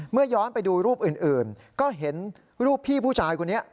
ย้อนไปดูรูปอื่นก็เห็นรูปพี่ผู้ชายคนนี้